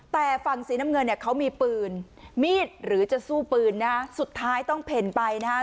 แต่ฝั่งสีน้ำเงินเนี่ยเขามีปืนมีดหรือจะสู้ปืนนะฮะสุดท้ายต้องเพ่นไปนะฮะ